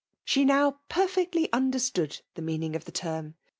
She now perfectly a]|(ler$t<N)d the meaning of thQ term